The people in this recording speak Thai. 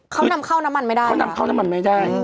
เขานำเข้าน้ำมันไม่ได้เขานำเข้าน้ำมันไม่ได้